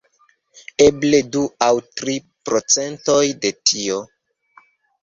Eble du aŭ tri procentoj de tio.